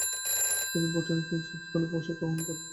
তিনি ব্রুটনের কিং’স স্কুলে শিক্ষাগ্রহণ করেন।